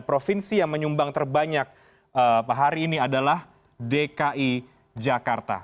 provinsi yang menyumbang terbanyak hari ini adalah dki jakarta